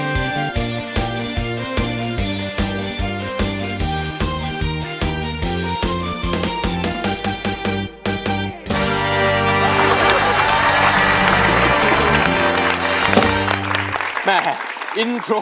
กลับไปก่อนที่สุดท้าย